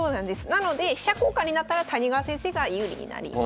なので飛車交換になったら谷川先生が有利になります。